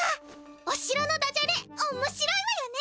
おしろのダジャレおっもしろいわよね！